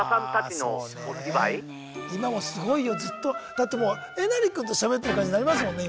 だってもうえなり君としゃべってる感じになりますもんね